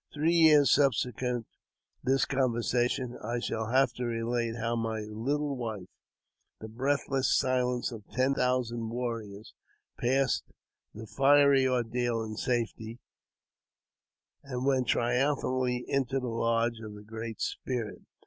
Three years subsequent this conversation, I shall have to relate how my little wife, the breathless silence of ten thousand warriors, passed tM fiery ordeal in safety, and went triumphantly into the lodge of the Great Spirit.